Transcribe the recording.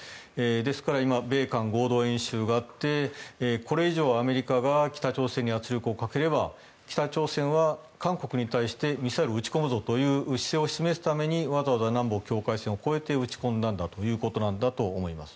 ですから、米韓合同演習があってこれ以上アメリカが北朝鮮に圧力をかければ北朝鮮は韓国に対してミサイルを撃ち込むぞという姿勢を示すためにわざわざ南北境界線を越えて撃ち込んだんだということだと思います。